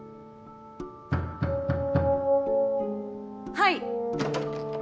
はい。